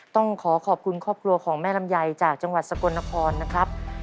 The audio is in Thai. ต้องขอขอบคุณครอบครัวของแม่ลำไยจากจังหวัดสกลนครนะครับ